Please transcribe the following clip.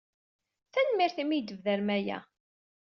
Tanemmirt imi ay d-tbedrem aya.